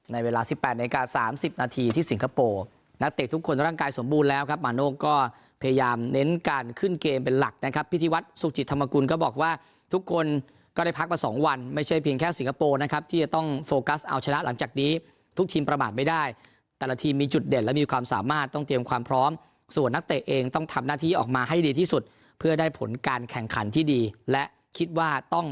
ในเวลาสิบแปดนาทีสามสิบนาทีที่สิงคโปร์นักเตะทุกคนร่างกายสมบูรณ์แล้วครับมาโน้กก็พยายามเน้นการขึ้นเกมเป็นหลักนะครับพิธีวัตรสุขจิตธรรมกุลก็บอกว่าทุกคนก็ได้พักมาสองวันไม่ใช่เพียงแค่สิงคโปร์นะครับที่จะต้องโฟกัสเอาชนะหลังจากนี้ทุกทีมประมาณไม่ได้แต่ละทีมมีจุดเด่น